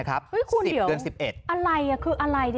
อารมณ์ไม่ดีเพราะว่าอะไรฮะ